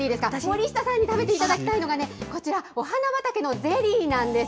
森下さんに食べていただきたいのがね、こちら、お花畑のゼリーなんです。